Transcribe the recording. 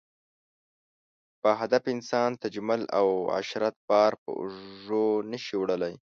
باهدفه انسان تجمل او عشرت بار په اوږو نه شي وړلی.